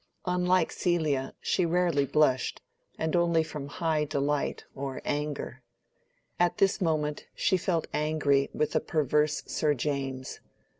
Unlike Celia, she rarely blushed, and only from high delight or anger. At this moment she felt angry with the perverse Sir James.